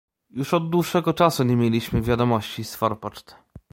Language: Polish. "Już od dłuższego czasu nie mieliśmy wiadomości z forpoczt."